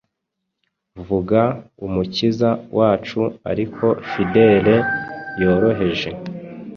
Vuga Umukiza wacu ariko fidele yoroheje